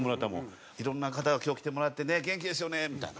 「いろんな方が今日来てもらって元気ですよね」みたいな。